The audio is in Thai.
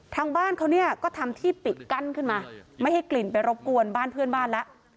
ทางบ้านเขาเนี่ยก็ทำที่ปิดกั้นขึ้นมาไม่ให้กลิ่นไปรบกวนบ้านเพื่อนบ้านแล้ว